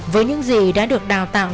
với những gì đã được đào tạo